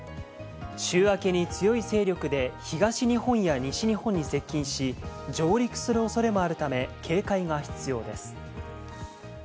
週明けに強い勢力で、東日本や西日本に接近し、上陸するおそれもあるため、警戒が必要です。